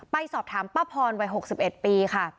ไปสอบถามป้าพรวัย๖๑ปีค่ะ